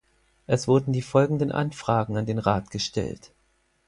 Es wurden die folgenden Anfragen an den Rat gestellt.